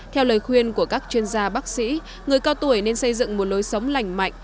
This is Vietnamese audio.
theo lời khuyên của các chuyên gia bác sĩ người cao tuổi nên xây dựng một lối sống lành mạnh